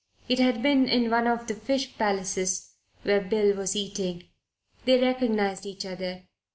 It had been in one of his Fish Palaces where Bill was eating. They recognized each other.